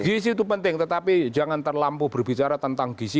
gizi itu penting tetapi jangan terlampau berbicara tentang gisi